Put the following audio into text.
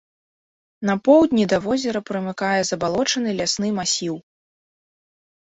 На поўдні да возера прымыкае забалочаны лясны масіў.